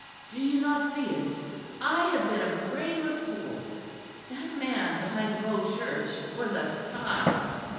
Do you not see it? I have been a brainless fool. That man behind Bow Church was a spy.